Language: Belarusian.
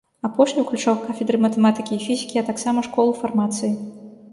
Апошні ўключаў кафедры матэматыкі і фізікі, а таксама школу фармацыі.